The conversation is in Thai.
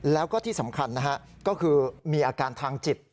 แล้วก็ที่สำคัญนะฮะก็คือมีอาการทางจิต